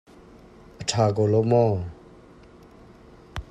A ṭha ko lo maw?